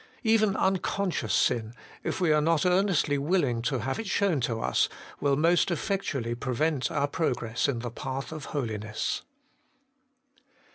Even unconscious sin, if we are not earnestly willing to have it shown to us, will most effectually prevent our progress in the path of holiness.